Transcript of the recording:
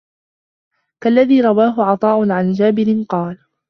كَاَلَّذِي رَوَاهُ عَطَاءٌ عَنْ جَابِرٍ قَالَ